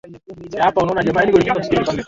Mkeo ameenda mjini